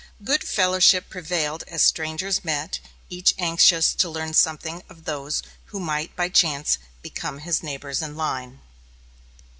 Good fellowship prevailed as strangers met, each anxious to learn something of those who might by chance become his neighbors in line.